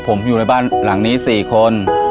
พ่อพ่อผมอยู่ในบ้านหลังนี้๔คน